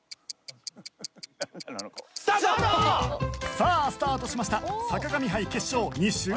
さあスタートしました坂上杯決勝２周の勝負です。